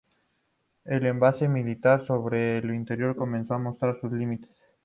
El avance militar sobre el interior comenzó a mostrar sus límites.